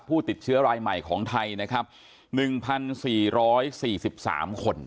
ผู้ติดเชื้อรายใหม่ของไทยนะครับหนึ่งพันสี่ร้อยสี่สิบสามคน